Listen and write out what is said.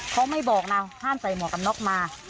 เขาไม่บอกนะห้ามใส่หมวกกันน็อกมา